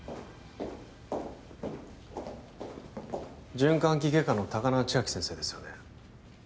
循環器外科の高輪千晶先生ですよね